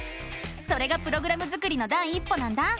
それがプログラム作りの第一歩なんだ！